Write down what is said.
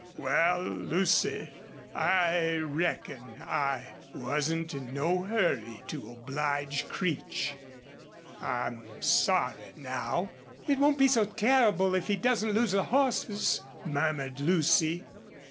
... Wal, Lucy, I reckon I wasn't in no hurry to oblige Creech. I'm sorry now." "It won't be so terrible if he doesn't lose the horses," murmured Lucy.